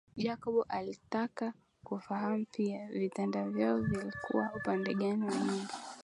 Jacob alitaka kufahamu pia vitanda vyao vilikuwa upande gani wa vyumba